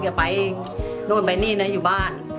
อย่าไปนู่นไปนี่นะอยู่บ้าน